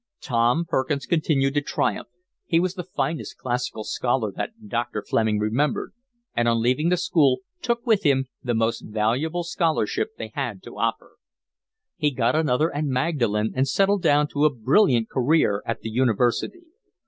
Tom Perkins continued to triumph, he was the finest classical scholar that Dr. Fleming remembered, and on leaving the school took with him the most valuable scholarship they had to offer. He got another at Magdalen and settled down to a brilliant career at the University.